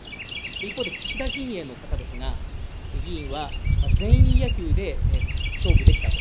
一方で、岸田陣営の方ですが議員は全員野球で勝負できたと。